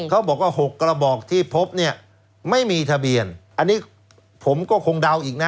เขาบอกว่า๖กระบอกที่พบเนี่ยไม่มีทะเบียนอันนี้ผมก็คงเดาอีกนะ